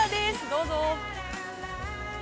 どうぞ。